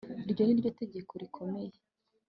iryo ni ryo tegeko rikomeye